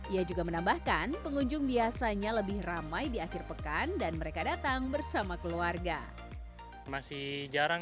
ia juga menambahkan pengunjung biasanya lebih ramai di akhir pekan dan mereka datang bersama keluarga